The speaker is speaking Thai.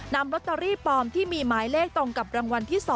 นำลอตเตอรี่ปลอมที่มีหมายเลขตรงกับรางวัลที่๒